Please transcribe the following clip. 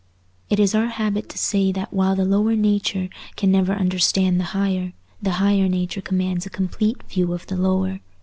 It is our habit to say that while the lower nature can never understand the higher, the higher nature commands a complete view of the lower.